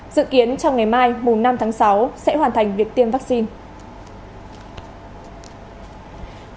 dự kiến trong ngày mai mùng năm tháng sáu sẽ hoàn thành việc tiêm vaccine